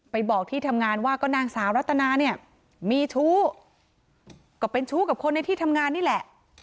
บอกที่ทำงานว่าก็นางสาวรัตนาเนี่ยมีชู้ก็เป็นชู้กับคนในที่ทำงานนี่แหละ